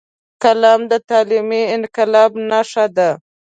قلم د تعلیمي انقلاب نښه ده